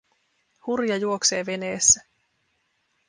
Hurja juoksee veneessä.